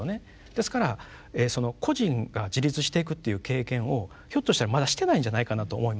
ですから個人が自立していくっていう経験をひょっとしたらまだしていないんじゃないかなと思います。